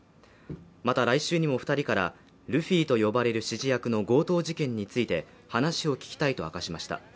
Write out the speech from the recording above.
また来週にも二人からルフィと呼ばれる指示役の強盗事件について話を聞きたいと明かしました